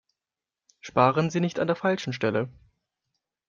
Sparen Sie nicht an der falschen Stelle!